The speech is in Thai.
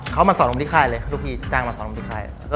เขามันสอนผมที่ค่ายเลยทุกที่ตมาสอนผมที่ค่าย